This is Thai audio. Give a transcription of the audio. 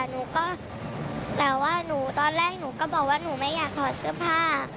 หนูก็แต่ว่าหนูตอนแรกหนูก็บอกว่าหนูไม่อยากถอดเสื้อผ้า